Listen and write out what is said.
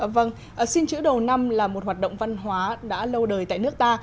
vâng xin chữ đầu năm là một hoạt động văn hóa đã lâu đời tại nước ta